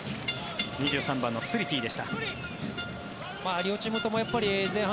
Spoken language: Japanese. ２３番のスリティでした。